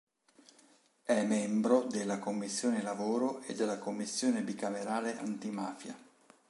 È membro della commissione Lavoro e della Commissione Bicamerale Antimafia.